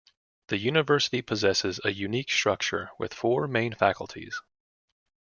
The university possesses a unique structure with four main faculties.